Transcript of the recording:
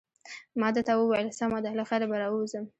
ما ده ته وویل: سمه ده، له خیره به راووځم.